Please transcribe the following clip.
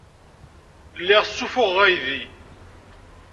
Lliɣ ssuffuɣeɣ aydi.